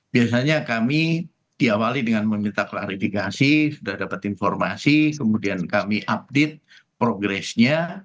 biasanya kami diawali dengan meminta klarifikasi sudah dapat informasi kemudian kami update progresnya